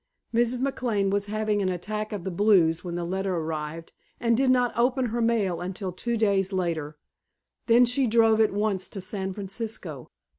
Mrs. McLane was having an attack of the blues when the letter arrived and did not open her mail until two days later. Then she drove at once to San Francisco.